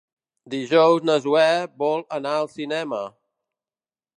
Dijous na Zoè vol anar al cinema.